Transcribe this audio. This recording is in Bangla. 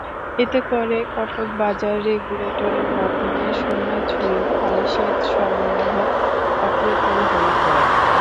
এতে করে কটকবাজার রেগুলেটরের মাধ্যমে সোনাইছড়ি খালে সেচ সরবরাহ অপ্রতুল হয়ে পড়ে।